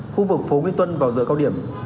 khu vực phố nguyễn tuân vào giờ cao điểm